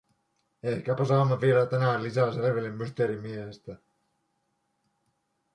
Ehkäpä saamme vielä tänään lisää selville Mysteerimiehestä.